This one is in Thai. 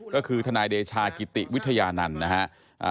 ก็คือทนายเดชากิติวิทยานันต์นะฮะ